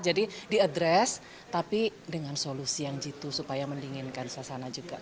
jadi diadres tapi dengan solusi yang jitu supaya mendinginkan suasana juga